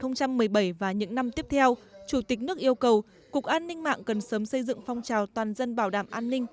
năm hai nghìn một mươi bảy và những năm tiếp theo chủ tịch nước yêu cầu cục an ninh mạng cần sớm xây dựng phong trào toàn dân bảo đảm an ninh